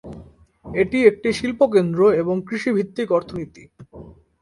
এটি একটি শিল্প কেন্দ্র এবং কৃষি ভিত্তিক অর্থনীতি।